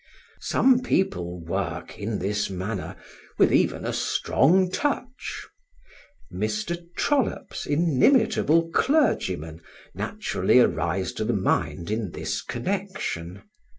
Some people work, in this manner, with even a strong touch. Mr. Trollope's inimitable clergymen naturally arise to the mind in this connection.